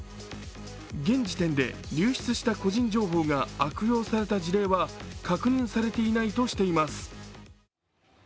現時点で流出した個人情報が悪用された事例は確認されていないとしています。